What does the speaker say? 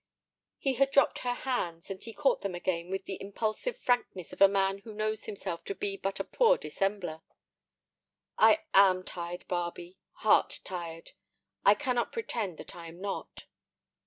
He had dropped her hands, but he caught them again with the impulsive frankness of a man who knows himself to be but a poor dissembler. "I am tired, Barbe—heart tired; I cannot pretend that I am not."